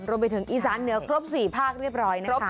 รวมไปถึงอีสานเหนือครบ๔ภาคเรียบร้อยนะครับ